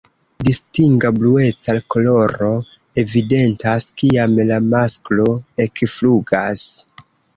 Distinga blueca koloro evidentas kiam la masklo ekflugas.